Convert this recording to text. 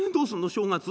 正月。